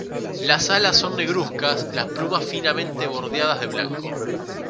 Las alas son negruzcas, las plumas finamente bordeadas de blanco.